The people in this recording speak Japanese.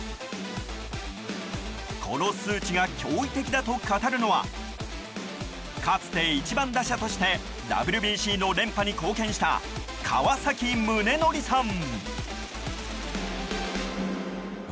この数値が驚異的だと語るのはかつて１番打者としてＷＢＣの連覇に貢献した川崎宗則さん。